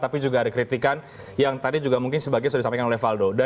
tapi juga ada kritikan yang tadi juga mungkin sebagian sudah disampaikan oleh valdo